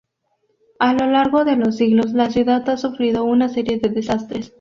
A lo largo de los siglos la ciudad ha sufrido una serie de desastres.